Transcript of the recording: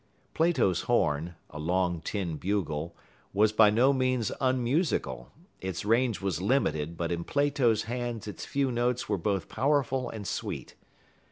Plato's horn a long tin bugle was by no means unmusical. Its range was limited, but in Plato's hands its few notes were both powerful and sweet.